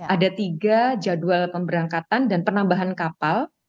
ada tiga jadwal pemberangkatan dan penambahan kapal